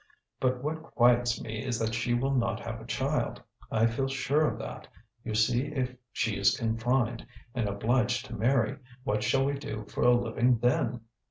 But what quiets me is that she will not have a child; I feel sure of that. You see if she is confined, and obliged to marry, what shall we do for a living then?"